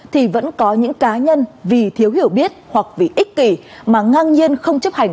thì vẫn có những cá nhân vì thiếu hiểu biết hoặc vì ích kỷ mà ngang nhiên không chấp hành